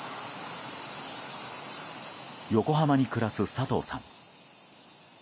横浜に暮らす佐藤さん。